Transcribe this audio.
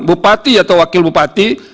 bupati atau wakil bupati